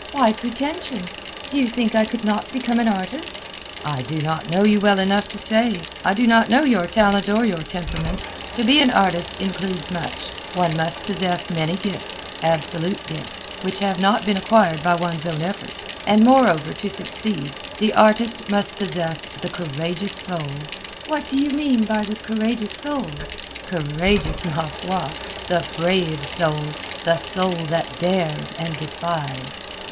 "Why pretensions? Do you think I could not become an artist?" "I do not know you well enough to say. I do not know your talent or your temperament. To be an artist includes much; one must possess many gifts—absolute gifts—which have not been acquired by one's own effort. And, moreover, to succeed, the artist must possess the courageous soul." "What do you mean by the courageous soul?" "Courageous, ma foi! The brave soul. The soul that dares and defies."